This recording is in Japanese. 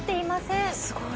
すごい。